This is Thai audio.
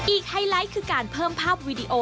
ไฮไลท์คือการเพิ่มภาพวีดีโอ